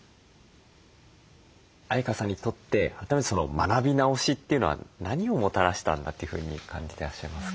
相川さんにとって改めて学び直しというのは何をもたらしたんだというふうに感じてらっしゃいますか？